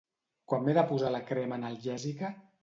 Quan m'he de posar la crema analgèsica?